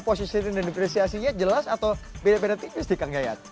posisi ini dan diferensiasinya jelas atau beda beda tipis di kang geyat